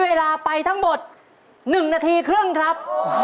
เวลาไปทั้งหมด๑นาทีครึ่งครับ